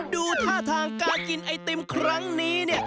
ดูท่าทางการกินไอติมครั้งนี้เนี่ย